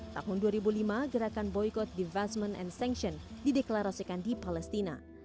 tahun dua ribu lima gerakan boykot divestment and sanction dideklarasikan di palestina